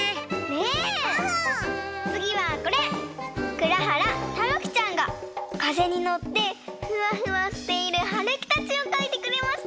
くらはらたまきちゃんがかぜにのってフワフワしているはるきたちをかいてくれました！